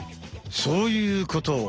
そういうこと。